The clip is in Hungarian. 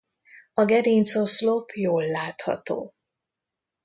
A gerincoszlop jól látható.